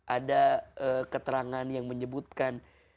ada keterangan yang menyebutkan